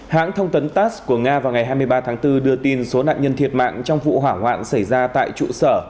hãng thông tấn tass của nga vào ngày hai mươi ba tháng bốn đưa tin số nạn nhân thiệt mạng trong vụ hỏa hoạn xảy ra tại trụ sở